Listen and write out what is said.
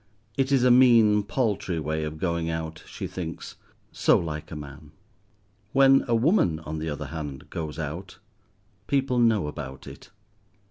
It is a mean, paltry way of going out, she thinks; so like a man. When a woman, on the other hand, goes out, people know about it.